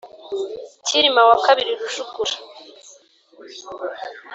cyilima wa kabiri rujugura